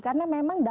karena memang dalam